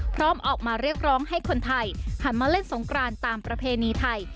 พร้อมออกมาเรียกร้องให้คนไทยหันมาเล่นสงกรานตามประเพณีไทย